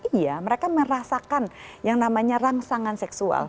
iya mereka merasakan yang namanya rangsangan seksual